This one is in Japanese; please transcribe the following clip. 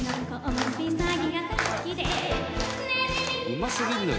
うますぎるのよ。